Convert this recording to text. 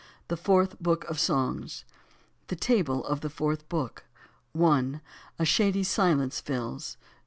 THE FOURTH BOOK OF SONGS THE TABLE OF THE FOURTH BOOK. /. A shady silence fills 2.